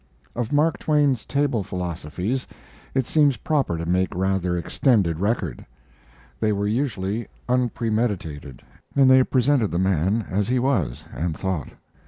Of Mark Twain's table philosophies it seems proper to make rather extended record. They were usually unpremeditated, and they presented the man as he was, and thought.